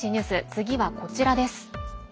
次はこちらです。